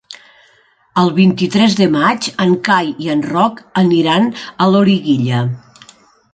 El vint-i-tres de maig en Cai i en Roc aniran a Loriguilla.